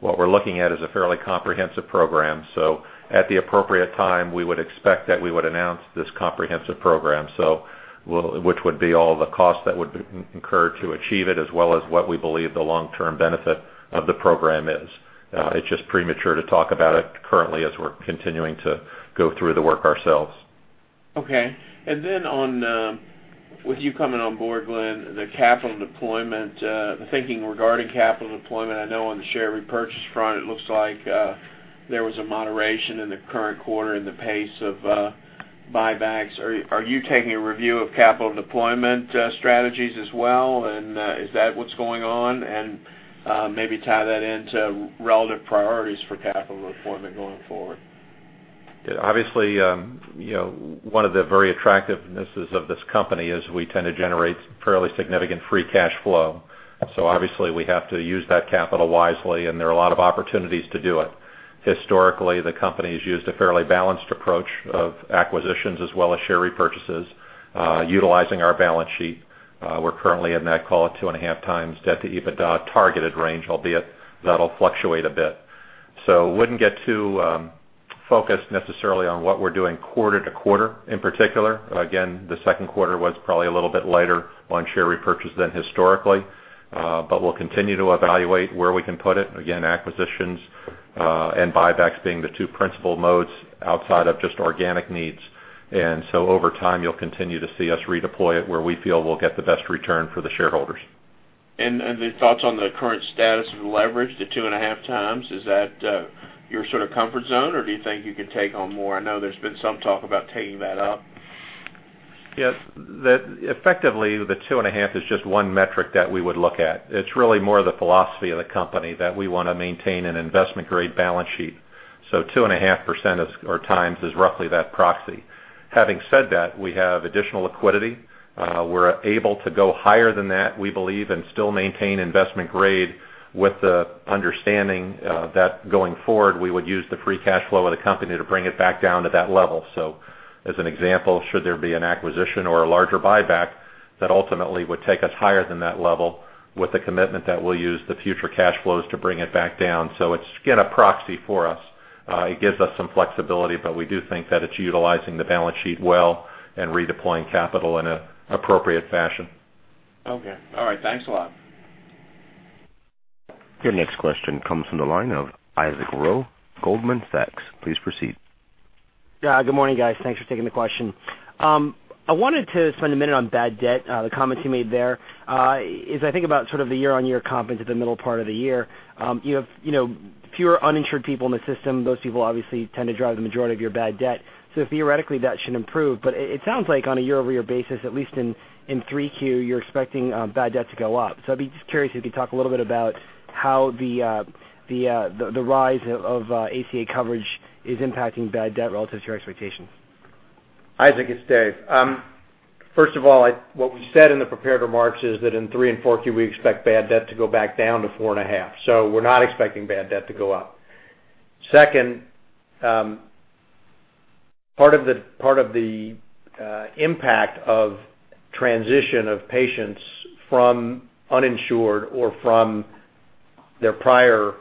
What we're looking at is a fairly comprehensive program. At the appropriate time, we would expect that we would announce this comprehensive program, which would be all the costs that would be incurred to achieve it, as well as what we believe the long-term benefit of the program is. It's just premature to talk about it currently as we're continuing to go through the work ourselves. Okay. With you coming on board, Glenn, the capital deployment, the thinking regarding capital deployment, I know on the share repurchase front, it looks like there was a moderation in the current quarter in the pace of buybacks. Are you taking a review of capital deployment strategies as well? Is that what's going on? Maybe tie that into relative priorities for capital deployment going forward. Obviously, one of the very attractivenesses of this company is we tend to generate fairly significant free cash flow. So obviously, we have to use that capital wisely, and there are a lot of opportunities to do it. Historically, the company has used a fairly balanced approach of acquisitions as well as share repurchases, utilizing our balance sheet. We're currently in that, call it, two and a half times debt to EBITDA targeted range, albeit that'll fluctuate a bit. So we wouldn't get too focused necessarily on what we're doing quarter to quarter in particular. Again, the second quarter was probably a little bit lighter on share repurchase than historically, but we'll continue to evaluate where we can put it. Again, acquisitions and buybacks being the two principal modes outside of just organic needs. Over time, you'll continue to see us redeploy it where we feel we'll get the best return for the shareholders. The thoughts on the current status of leverage, the two and a half times, is that your sort of comfort zone, or do you think you can take on more? I know there's been some talk about taking that up. Yeah. Effectively, the two and a half is just one metric that we would look at. It's really more the philosophy of the company that we want to maintain an investment-grade balance sheet. So 2.5% or times is roughly that proxy. Having said that, we have additional liquidity. We're able to go higher than that, we believe, and still maintain investment grade with the understanding that going forward, we would use the free cash flow of the company to bring it back down to that level. As an example, should there be an acquisition or a larger buyback, that ultimately would take us higher than that level with the commitment that we'll use the future cash flows to bring it back down. It's a proxy for us. It gives us some flexibility, but we do think that it's utilizing the balance sheet well and redeploying capital in an appropriate fashion. Okay. All right. Thanks a lot. Your next question comes from the line of Isaac Rowe, Goldman Sachs. Please proceed. Yeah. Good morning, guys. Thanks for taking the question. I wanted to spend a minute on bad debt. The comments you made there is I think about sort of the year-on-year comp and to the middle part of the year. You have fewer uninsured people in the system. Those people obviously tend to drive the majority of your bad debt. Theoretically, that should improve. It sounds like on a year-over-year basis, at least in 3Q, you're expecting bad debt to go up. I'd be just curious if you could talk a little bit about how the rise of ACA coverage is impacting bad debt relative to your expectations. Isaac, it's Dave. First of all, what we said in the prepared remarks is that in 3 and 4Q, we expect bad debt to go back down to 4.5%. So we're not expecting bad debt to go up. Second, part of the impact of transition of patients from uninsured or from their prior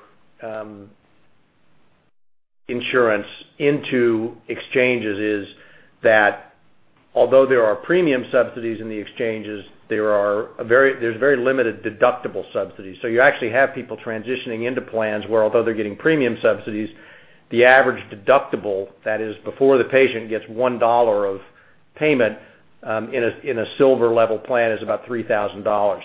insurance into exchanges is that although there are premium subsidies in the exchanges, there's very limited deductible subsidies. You actually have people transitioning into plans where, although they're getting premium subsidies, the average deductible that is before the patient gets $1 of payment in a silver-level plan is about $3,000.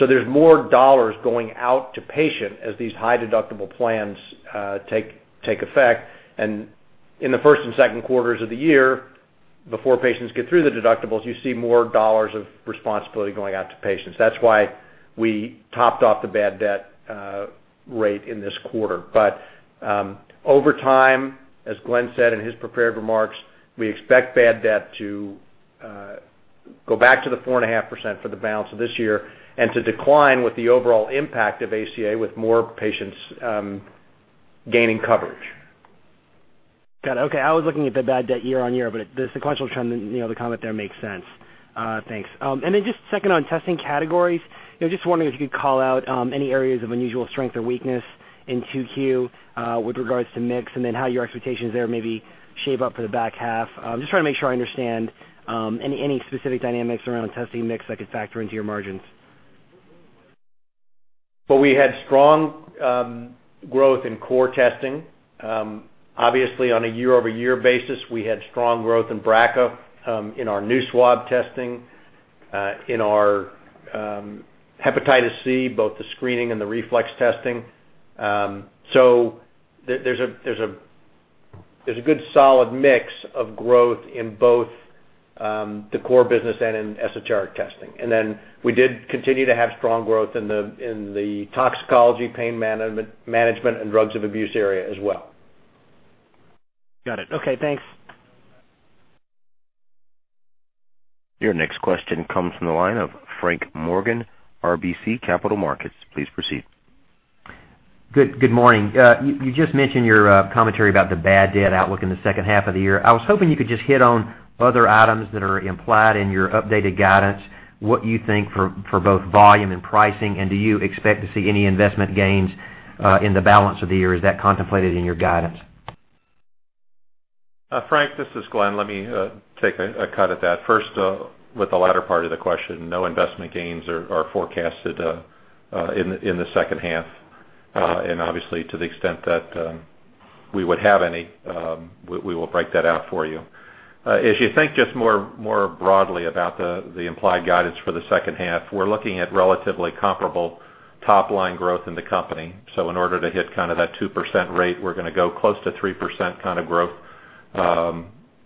There are more dollars going out to patient as these high-deductible plans take effect. In the first and second quarters of the year, before patients get through the deductibles, you see more dollars of responsibility going out to patients. That's why we topped off the bad debt rate in this quarter. Over time, as Glenn said in his prepared remarks, we expect bad debt to go back to the 4.5% for the balance of this year and to decline with the overall impact of ACA with more patients gaining coverage. Got it. Okay. I was looking at the bad debt year-on-year, but the sequential trend, the comment there makes sense. Thanks. Then just second on testing categories, just wondering if you could call out any areas of unusual strength or weakness in 2Q with regards to MICS and then how your expectations there maybe shave up for the back half. Just trying to make sure I understand any specific dynamics around testing MICS that could factor into your margins. We had strong growth in core testing. Obviously, on a year-over-year basis, we had strong growth in BRCA in our new swab testing, in our hepatitis C, both the screening and the reflex testing. There is a good solid mix of growth in both the core business and in SHR testing. We did continue to have strong growth in the toxicology, pain management, and drugs of abuse area as well. Got it. Okay. Thanks. Your next question comes from the line of Frank Morgan, RBC Capital Markets. Please proceed. Good morning. You just mentioned your commentary about the bad debt outlook in the second half of the year. I was hoping you could just hit on other items that are implied in your updated guidance, what you think for both volume and pricing, and do you expect to see any investment gains in the balance of the year? Is that contemplated in your guidance? Frank, this is Glenn. Let me take a cut at that. First, with the latter part of the question, no investment gains are forecasted in the second half. Obviously, to the extent that we would have any, we will break that out for you. As you think just more broadly about the implied guidance for the second half, we're looking at relatively comparable top-line growth in the company. In order to hit kind of that 2% rate, we're going to go close to 3% kind of growth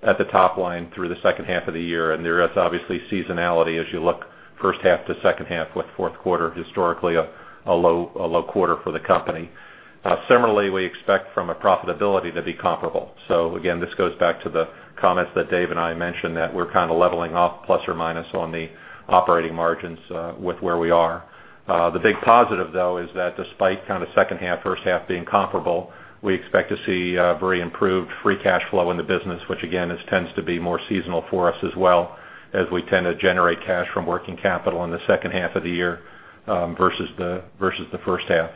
at the top line through the second half of the year. There is obviously seasonality as you look first half to second half with fourth quarter historically a low quarter for the company. Similarly, we expect from a profitability to be comparable. Again, this goes back to the comments that Dave and I mentioned that we're kind of leveling off plus or minus on the operating margins with where we are. The big positive, though, is that despite kind of second half, first half being comparable, we expect to see very improved free cash flow in the business, which again tends to be more seasonal for us as well as we tend to generate cash from working capital in the second half of the year versus the first half.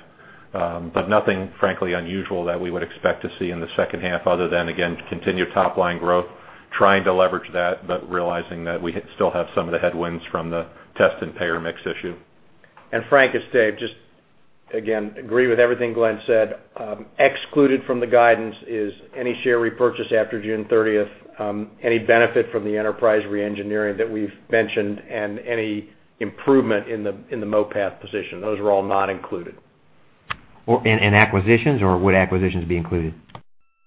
Nothing, frankly, unusual that we would expect to see in the second half other than, again, continued top-line growth, trying to leverage that, but realizing that we still have some of the headwinds from the test and payer mix issue. Frank, as Dave just again agreed with everything Glenn said, excluded from the guidance is any share repurchase after June 30, any benefit from the enterprise reengineering that we have mentioned, and any improvement in the MOPAT position. Those are all not included. In acquisitions or would acquisitions be included?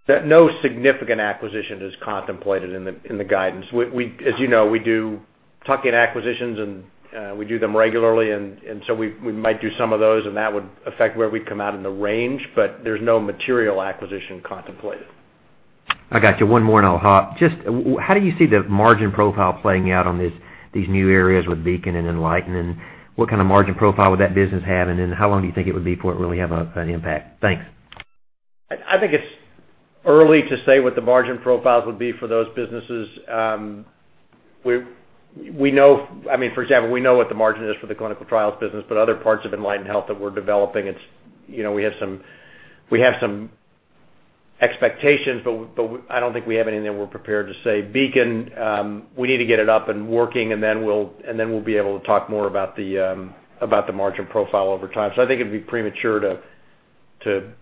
No significant acquisition is contemplated in the guidance. As you know, we do tuck in acquisitions, and we do them regularly. We might do some of those, and that would affect where we come out in the range, but there's no material acquisition contemplated. I got you. One more and I'll hop. Just how do you see the margin profile playing out on these new areas with Beacon and Enlighten? What kind of margin profile would that business have? How long do you think it would be before it really have an impact? Thanks. I think it's early to say what the margin profiles would be for those businesses. I mean, for example, we know what the margin is for the clinical trials business, but other parts of Enlighten Health that we're developing, we have some expectations, but I don't think we have anything that we're prepared to say. Beacon, we need to get it up and working, and then we'll be able to talk more about the margin profile over time. I think it'd be premature to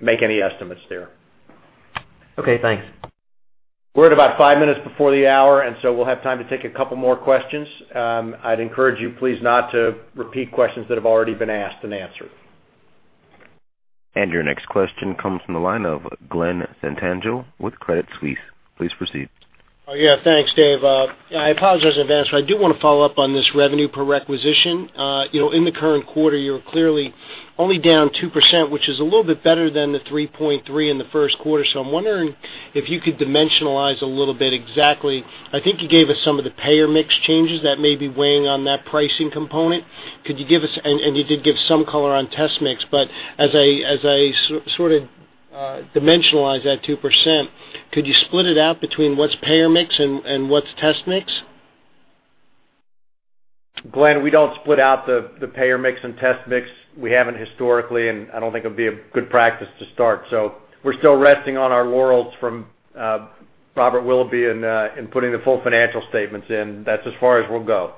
make any estimates there. Okay. Thanks. We're at about five minutes before the hour, and so we'll have time to take a couple more questions. I'd encourage you please not to repeat questions that have already been asked and answered. Your next question comes from the line of Glenn Santangelo with Credit Suisse. Please proceed. Yeah. Thanks, Dave. I apologize in advance, but I do want to follow up on this revenue per requisition. In the current quarter, you're clearly only down 2%, which is a little bit better than the 3.3% in the first quarter. I am wondering if you could dimensionalize a little bit exactly. I think you gave us some of the payer mix changes that may be weighing on that pricing component. Could you give us—and you did give some color on test mix—but as I sort of dimensionalize that 2%, could you split it out between what's payer mix and what's test mix? Glenn, we don't split out the payer mix and test mix. We haven't historically, and I don't think it would be a good practice to start. We're still resting on our laurels from Robert Willoughby in putting the full financial statements in. That's as far as we'll go.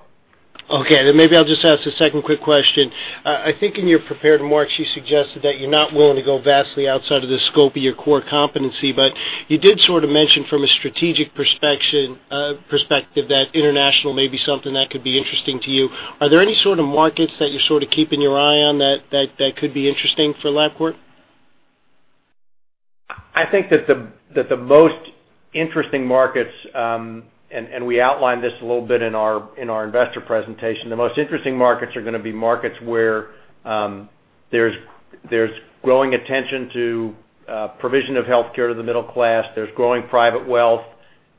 Okay. Maybe I'll just ask a second quick question. I think in your prepared remarks, you suggested that you're not willing to go vastly outside of the scope of your core competency, but you did sort of mention from a strategic perspective that international may be something that could be interesting to you. Are there any sort of markets that you're sort of keeping your eye on that could be interesting for Labcorp? I think that the most interesting markets, and we outlined this a little bit in our investor presentation, the most interesting markets are going to be markets where there's growing attention to provision of healthcare to the middle class. There's growing private wealth.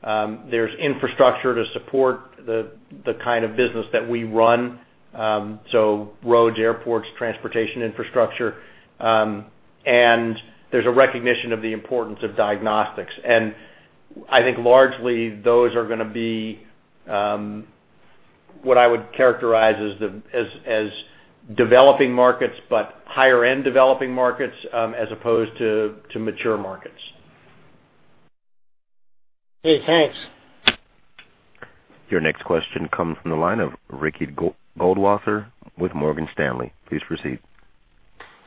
There's infrastructure to support the kind of business that we run. Roads, airports, transportation infrastructure. There's a recognition of the importance of diagnostics. I think largely those are going to be what I would characterize as developing markets, but higher-end developing markets as opposed to mature markets. Hey, thanks. Your next question comes from the line of Ricky Goldwasser with Morgan Stanley. Please proceed.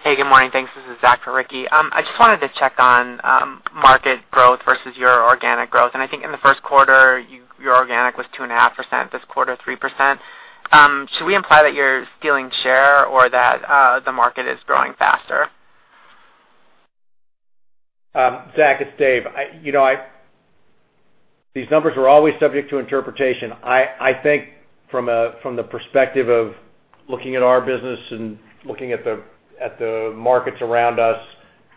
Hey, good morning. Thanks. This is Zach for Ricky. I just wanted to check on market growth versus your organic growth. And I think in the first quarter, your organic was 2.5%. This quarter, 3%. Should we imply that you're stealing share or that the market is growing faster? Zach, it's Dave. These numbers are always subject to interpretation. I think from the perspective of looking at our business and looking at the markets around us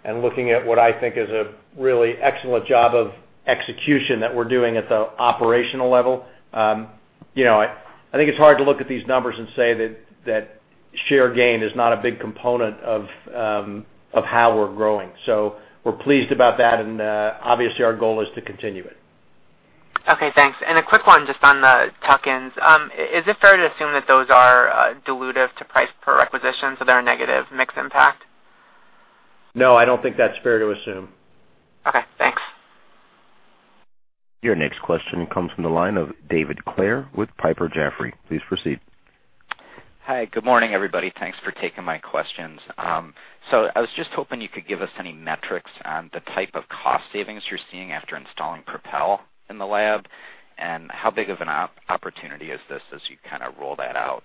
and looking at what I think is a really excellent job of execution that we're doing at the operational level, I think it's hard to look at these numbers and say that share gain is not a big component of how we're growing. We are pleased about that. Obviously, our goal is to continue it. Okay. Thanks. And a quick one just on the tuck-ins. Is it fair to assume that those are dilutive to price per requisition, so they're a negative mix impact? No, I don't think that's fair to assume. Okay. Thanks. Your next question comes from the line of David Clair with Piper Jaffray. Please proceed. Hi. Good morning, everybody. Thanks for taking my questions. I was just hoping you could give us any metrics on the type of cost savings you're seeing after installing Propel in the lab and how big of an opportunity is this as you kind of roll that out.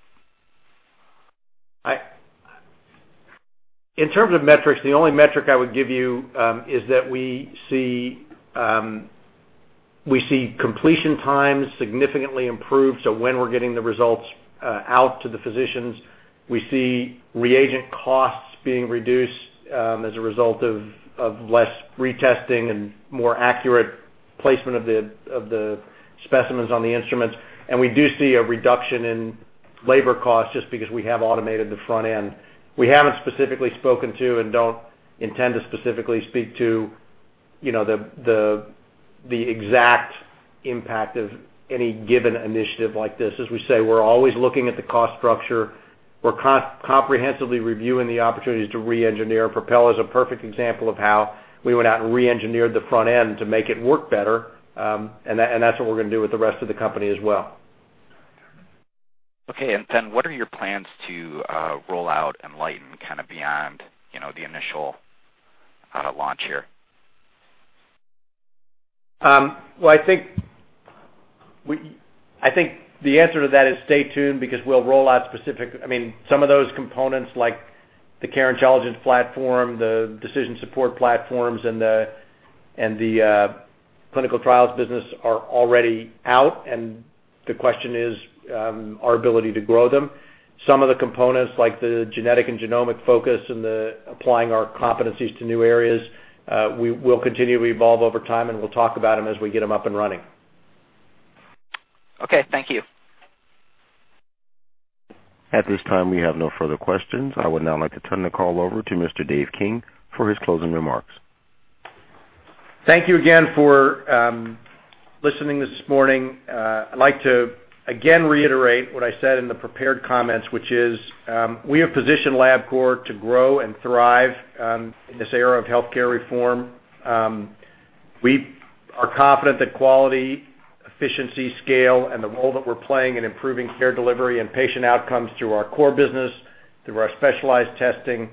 In terms of metrics, the only metric I would give you is that we see completion times significantly improved. When we're getting the results out to the physicians, we see reagent costs being reduced as a result of less retesting and more accurate placement of the specimens on the instruments. We do see a reduction in labor costs just because we have automated the front end. We haven't specifically spoken to and don't intend to specifically speak to the exact impact of any given initiative like this. As we say, we're always looking at the cost structure. We're comprehensively reviewing the opportunities to reengineer. Propel is a perfect example of how we went out and reengineered the front end to make it work better. That is what we're going to do with the rest of the company as well. Okay. What are your plans to roll out Enlighten kind of beyond the initial launch here? I think the answer to that is stay tuned because we'll roll out specific—I mean, some of those components like the care intelligence platform, the decision support platforms, and the clinical trials business are already out. The question is our ability to grow them. Some of the components like the genetic and genomic focus and the applying our competencies to new areas, we'll continue to evolve over time, and we'll talk about them as we get them up and running. Okay. Thank you. At this time, we have no further questions. I would now like to turn the call over to Mr. Dave King for his closing remarks. Thank you again for listening this morning. I'd like to again reiterate what I said in the prepared comments, which is we have positioned Labcorp to grow and thrive in this era of healthcare reform. We are confident that quality, efficiency, scale, and the role that we're playing in improving care delivery and patient outcomes through our core business, through our specialized testing,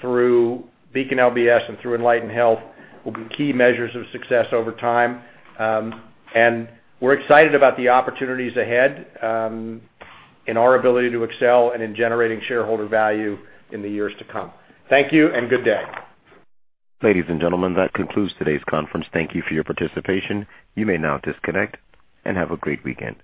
through Beacon LBS, and through Enlighten Health will be key measures of success over time. We are excited about the opportunities ahead in our ability to excel and in generating shareholder value in the years to come. Thank you and good day. Ladies and gentlemen, that concludes today's conference. Thank you for your participation. You may now disconnect and have a great weekend.